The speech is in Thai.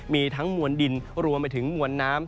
มีทั้งมวลดินรวมไปถึงมวลน้ำ